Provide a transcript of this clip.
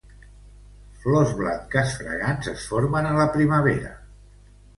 Flors blanques fragants es formen a la primavera.